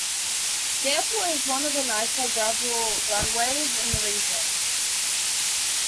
The airport is one of the nicer gravel runways in the region.